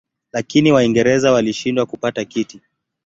Lakini Waingereza walishindwa kupata kiti.